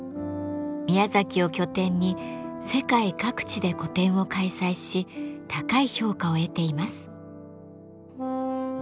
宮崎を拠点に世界各地で個展を開催し高い評価を得ています。